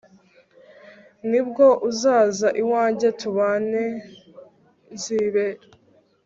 nibwo uzaza iwanjye tubane, nzibera